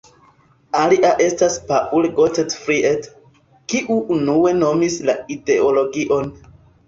Alia estas Paul Gottfried, kiu unue nomis la ideologion.